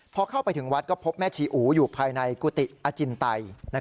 พอเข้าไปถึงวัดก็พบแม่ชีอูอยู่ภายในกุฏิอจินไต